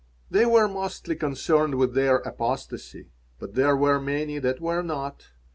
They were mostly concerned with their apostasy, but there were many that were not.